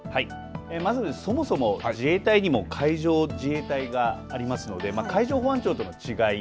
まず、そもそも自衛隊にも海上自衛隊がありますので海上保安庁との違い